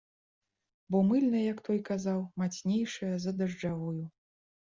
Бо мыльная, як той казаў, мацнейшая за дажджавую.